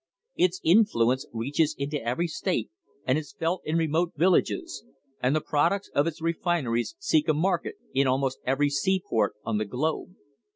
Its influence reaches into every state and is felt in remote villages, and the products of its refineries seek a market in almost every seaport on the globe.